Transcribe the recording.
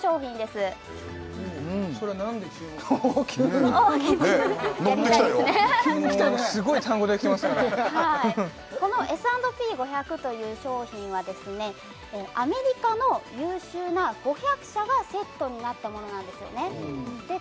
すごい単語出てきてますからこのＳ＆Ｐ５００という商品はですねアメリカの優秀な５００社がセットになったものなんですよねで